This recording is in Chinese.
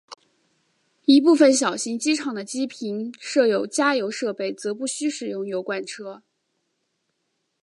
一部份小型机场的机坪设有加油设备则不需使用油罐车。